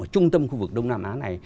ở trung tâm khu vực đông nam á này